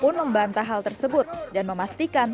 pun membantah hal tersebut dan memastikan